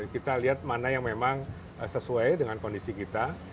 kita lihat mana yang memang sesuai dengan kondisi kita